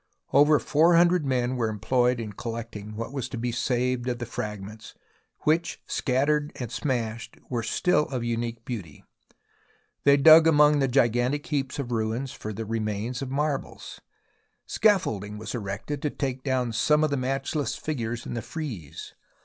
Over four hundred men were employed in collect ing what was to be saved of the fragments which, shattered and smashed, were still of unique beauty. They dug among the gigantic heaps of ruins for remains of marbles. Scaffolding was erected to take down some of the matchless figures in the frieze.